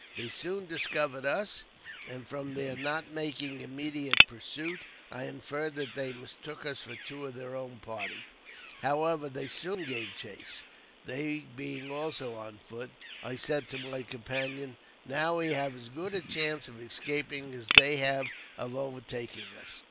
They soon discovered us, and, from their not making immediate pursuit, I inferred that they mistook us for two of their own party. However, they soon gave chase. They being also on foot, I said to my companion, " Now we have as good a chance of escaping as they have of overtaking us."